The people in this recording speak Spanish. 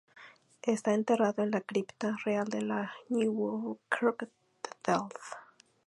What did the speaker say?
Está enterrado en la cripta real de la Nieuwe Kerk de Delft.